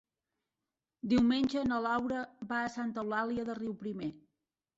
Diumenge na Laura va a Santa Eulàlia de Riuprimer.